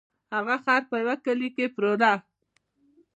هغه خر په یوه کلي کې پلوره.